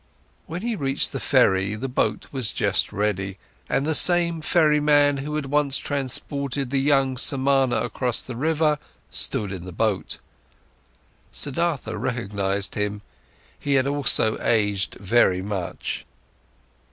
When he reached the ferry, the boat was just ready, and the same ferryman who had once transported the young Samana across the river, stood in the boat, Siddhartha recognised him, he had also aged very much.